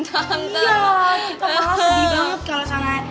pokoknya sedih banget kalo sama